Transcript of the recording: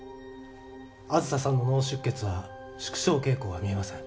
あずささんの脳出血は縮小傾向が見えません。